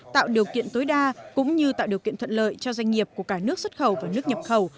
tạo điều kiện tối đa cũng như tạo điều kiện thuận lợi cho doanh nghiệp của cả nước xuất khẩu và nước nhập khẩu